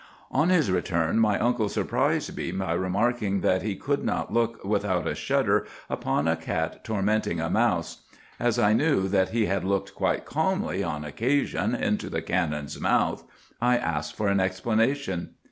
"On his return my uncle surprised me by remarking that he could not look without a shudder upon a cat tormenting a mouse. As I knew that he had looked quite calmly, on occasion, into the cannon's mouth, I asked for an explanation.